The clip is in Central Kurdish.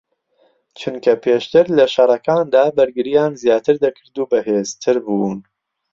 چونکە پێشتر لە شەڕەکاندا بەرگریان زیاتر دەکرد و بەهێزتر بوون